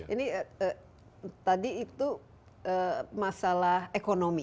ini tadi itu masalah ekonomi